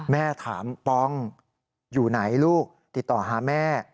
แม่ถามปองอยู่ไหนลูกติดต่อหาแม่